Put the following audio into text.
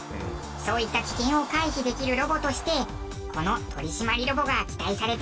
そういった危険を回避できるロボとしてこの取り締まりロボが期待されています。